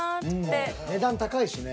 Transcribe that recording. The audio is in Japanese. うん値段高いしね